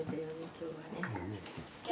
今日はね。